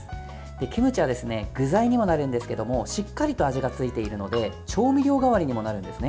キムチは具材にもなるんですけどもしっかりと味がついているので調味料代わりにもなるんですね